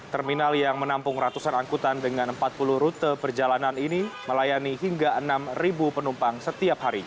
terminal yang menampung ratusan angkutan dengan empat puluh rute perjalanan ini melayani hingga enam penumpang setiap hari